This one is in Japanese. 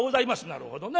「なるほどな。